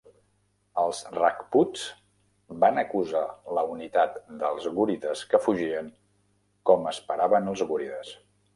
Els rajputs van acusar la unitat dels gúrides que fugien, com esperaven els gúrides.